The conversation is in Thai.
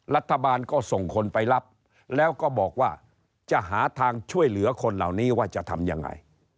รัฐบาลก็ส่งคนไปรับแล้วก็บอกว่าจะหาทางช่วยเหลือคนเหล่านี้ว่าจะทำยังไง